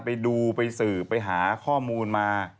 ไปดูไปสืบไปหาข้อมูลมา